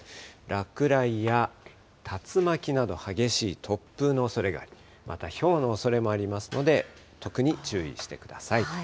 落雷や竜巻など激しい突風のおそれがあり、またひょうのおそれもありますので、特に注意してください。